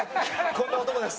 こんな男で。